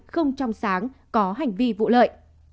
không trong sáng có hành vi vụ lợi